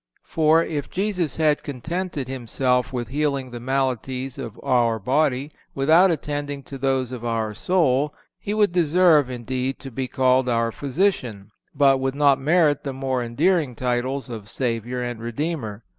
(435) For, if Jesus had contented Himself with healing the maladies of our body without attending to those of our soul, He would deserve, indeed, to be called our Physician, but would not merit the more endearing titles of Savior and Redeemer.